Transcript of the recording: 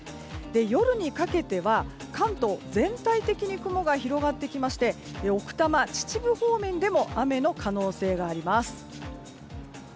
夜にかけては関東全体的に雲が広がってきまして奥多摩、秩父方面でも雨の可能性があります。